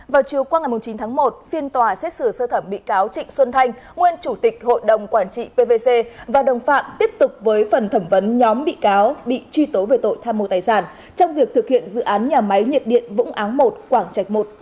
vào chiều qua ngày chín tháng một phiên tòa xét xử sơ thẩm bị cáo trịnh xuân thanh nguyên chủ tịch hội đồng quản trị pvc và đồng phạm tiếp tục với phần thẩm vấn nhóm bị cáo bị truy tố về tội tham mô tài sản trong việc thực hiện dự án nhà máy nhiệt điện vũng áng một quảng trạch i